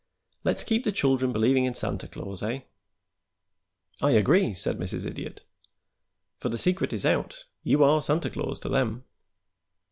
Let's keep the children believing in Santa Claus, eh?" "I agree," said Mrs. Idiot. "For the secret is out. You are Santa Claus to them."